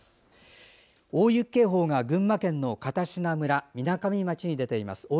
大雪警報が群馬県の片品村、みなかみ町に出ています。